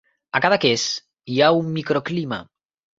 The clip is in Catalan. A Cadaqués hi ha un microclima.